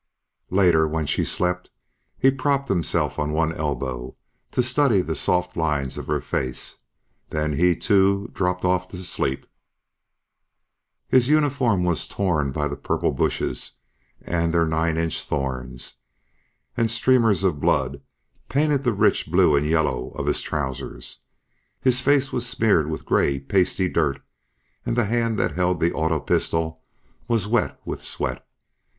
Later, when she slept, he propped himself on one elbow to study the soft lines of her face. Then he too dropped off to sleep. His uniform was torn by the purple bushes and their nine inch thorns, and streamers of blood painted the rich blue and yellow of his trousers. His face was smeared with grey, pasty dirt and the hand that held the auto pistol was wet with sweat.